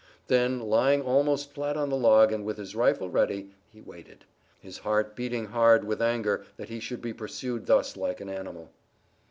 Then, lying almost flat on the log and with his rifle ready, he waited, his heart beating hard with anger that he should be pursued thus like an animal.